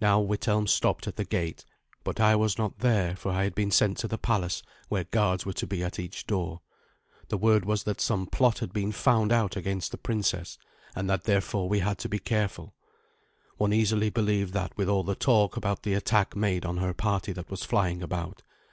Now Withelm stopped at the gate; but I was not there, for I had been sent to the palace, where guards were to be at each door. The word was that some plot had been found out against the princess, and that therefore we had to be careful. One easily believed that with all the talk about the attack made on her party that was flying about.